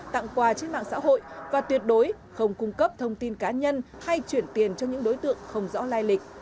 tặng quà trên mạng xã hội và tuyệt đối không cung cấp thông tin cá nhân hay chuyển tiền cho những đối tượng không rõ lai lịch